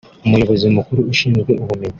umuyobozi mukuru ushinzwe ubumenyi